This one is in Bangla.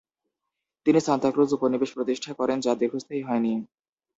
তিনি সান্তা ক্রুজ উপনিবেশ প্রতিষ্ঠা করেন, যা দীর্ঘস্থায়ী হয়নি।